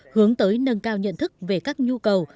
hướng tới nâng cao nhận thức về các nhu cầu